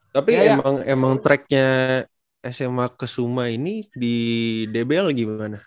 tapi emang tracknya sma kesuma ini di dbl gimana